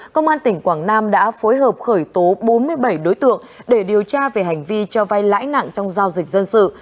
công an tỉnh quảng nam đã phối hợp khởi tố bốn mươi bảy đối tượng để điều tra về hành vi cho vay lãi nặng trong giao dịch dân sự